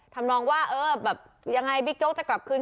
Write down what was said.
ทำนองว่าเออแบบยังไงบิ๊กโจ๊กจะกลับคืน